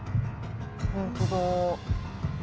本当だ。